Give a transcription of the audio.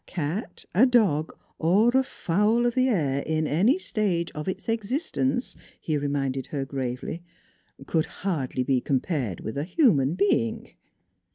" A cat, a dog, or a fowl of the air, in any stage of its existence," he reminded her gravely, " could hardly be compared with a human being."